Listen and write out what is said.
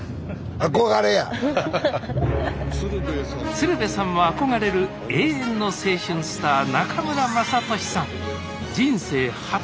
鶴瓶さんも憧れる永遠の青春スター中村雅俊さん